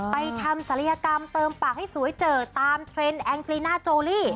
ทำศัลยกรรมเติมปากให้สวยเจอตามเทรนด์แองจีน่าโจลี่